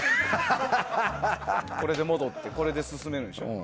これで戻ってこれで進めるんでしょ。